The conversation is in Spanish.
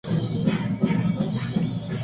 Tiene ascendencia Iraní.